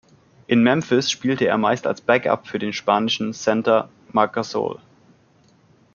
In Memphis spielte er meist als Backup für den spanischen Center Marc Gasol.